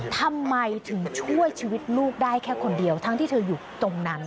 ทำไมถึงช่วยชีวิตลูกได้แค่คนเดียวทั้งที่เธออยู่ตรงนั้น